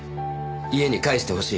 家に帰してほしい。